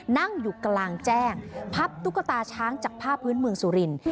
นั่งอยู่กลางแจ้งพับตุ๊กตาช้างจากผ้าพื้นเมืองสุรินทร์